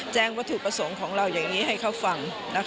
วัตถุประสงค์ของเราอย่างนี้ให้เขาฟัง